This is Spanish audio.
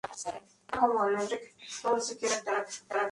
Los escaños se asignan en base al sistema D'Hondt.